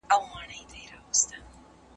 چې د تختوځالې يې